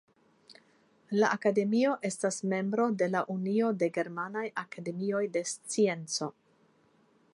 La akademio estas membro de la Unio de Germanaj Akademioj de Scienco.